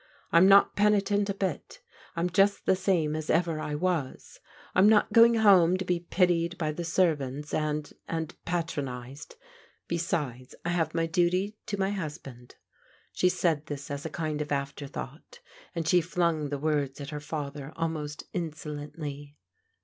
I'm not penitent a bit. I'm just the same as ever I was. I'm not going home to be pitied by the servants, and — and patronized. Besides — I have my duty to my husband." She said this as a kind of afterthought, and she flung the words at her father al most insolently.